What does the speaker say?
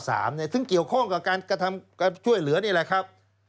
ซึ่งเกี่ยวข้องกับการกระทำการช่วยเหลือนี่แหละครับ